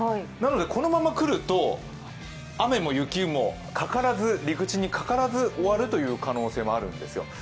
なので、このまま来ると雨も雪も陸地にかからず終わるという可能性もあるんですよ。